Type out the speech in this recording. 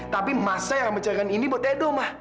tapi masa yang bercarikan ini buat edo ma